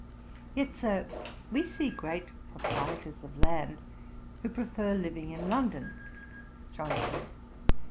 'Yet, Sir, we see great proprietors of land who prefer living in London.' JOHNSON.